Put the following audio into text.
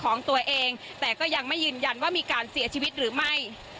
ของตัวเองแต่ก็ยังไม่ยืนยันว่ามีการเสียชีวิตหรือไม่